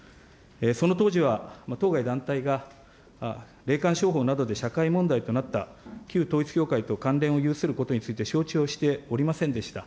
その当時は当該団体が霊感商法などで社会問題となった旧統一教会と関連を有することについて承知をしておりませんでした。